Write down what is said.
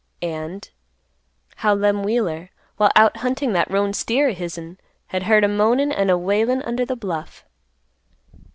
And "how Lem Wheeler, while out hunting that roan steer o' hisn, had heard a moanin' an' a wailin' under the bluff."